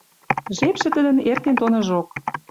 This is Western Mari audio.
Жепшӹ тӹдӹн эртен тоныжок.